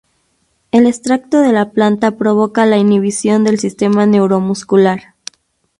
El extracto de la planta provoca la inhibición del sistema neuro-muscular.